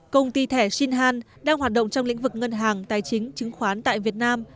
công ty thẻ sinh han đang hoạt động trong lĩnh vực ngân hàng tài chính chứng khoán tại việt nam